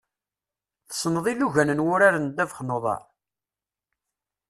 Tessneḍ ilugan n wurar n ddabex n uḍar?